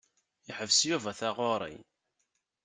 Yeḥbes Yuba taɣuṛi.